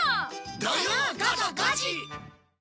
土曜午後５時！